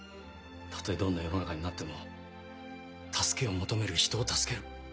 たとえどんな世の中になっても助けを求める人を助ける。